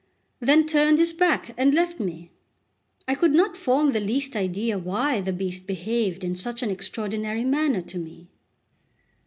then turned his back and left me. I could not form the least idea why the beast behaved in such an extraordinary manner to me.